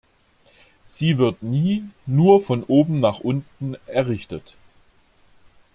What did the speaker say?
Sie wird nie nur von oben nach unten errichtet.